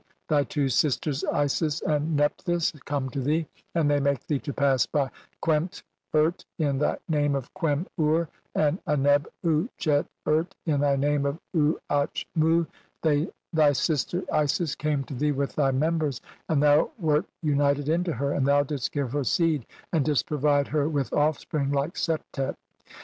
Thy two sisters Isis "and Nephthys come to thee, and they make thee "to pass by Qemt urt in thy name of Qem ur, and "Aneb uatchet urt in thy name of Uatch mu .... Thy "sister Isis came to thee with thy members, and thou "wert united unto her, and thou didst give her seed "and didst provide her with offspring like Septet."